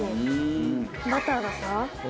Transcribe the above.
バターがさ